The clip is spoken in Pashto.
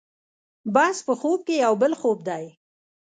بس په خوب کې یو بل خوب دی.